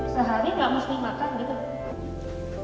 sehari nggak mesti makan gitu